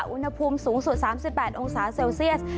อุณหภูมิสูงสุด๓๘องศาเซลเซียส